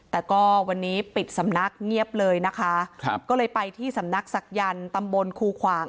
แต่ก็วันนี้ปิดสำนักเงียบเลยนะคะครับก็เลยไปที่สำนักศักยันต์ตำบลคูขวาง